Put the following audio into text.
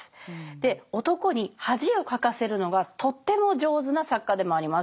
男に恥をかかせるのがとても上手な作家でもあります。